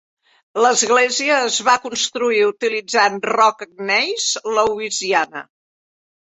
L'església es va construir utilitzant roca gneis lewisiana.